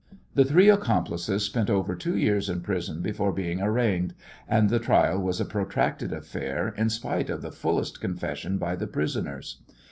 The three accomplices spent over two years in prison before being arraigned, and the trial was a protracted affair in spite of the fullest confessions by the prisoners.